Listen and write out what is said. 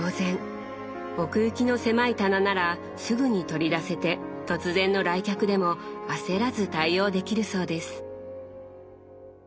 奥行きの狭い棚ならすぐに取り出せて突然の来客でも焦らず対応できるそうです。